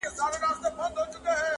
ورته ګوري به وارونه د لرګیو٫